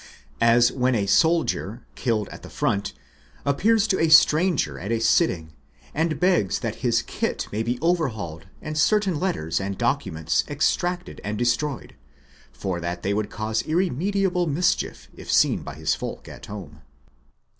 As when a soldier, killed at the front, appears to a stranger at a sitting and begs that his kit may be overhauled and certain letters and documents extracted and destroyed, for that they would cause irremediable mischief if seen by his folk at home.